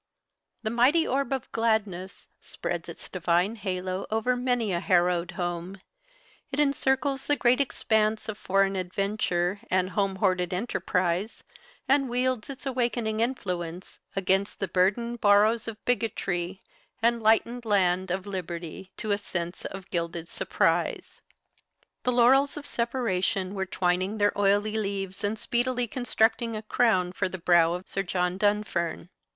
The mighty orb of gladness spreads its divine halo over many a harrowed home it encircles the great expanse of foreign adventure and home hoarded enterprise, and wields its awakening influence against the burthened boroughs of bigotry and lightened land of liberty to a sense of gilded surprise. The laurels of separation were twining their oily leaves and speedily constructing a crown for the brow of Sir John Dunfern.